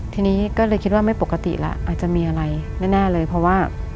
ทีนี้ก็เลยคิดว่าไม่ปกติแล้วอาจจะมีอะไรแน่เลยเพราะว่า